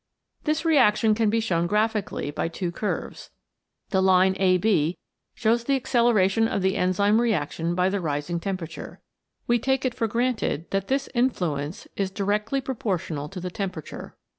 This relation can be shown graphically by two curves. The line AB shows the acceleration of the enzyme reaction by the rising temperature. We take it for granted that this influence is directly proportional to the temperature.